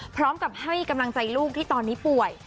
พร้อมกับให้กำลังใจลูกที่ตอนนี้ป่วย